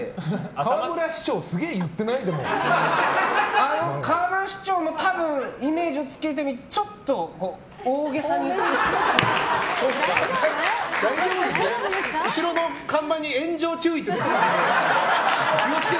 河村市長も多分イメージをつけるためにちょっと大げさに言ってる。